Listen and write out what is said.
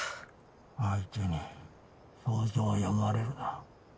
相手に表情を読まれるな。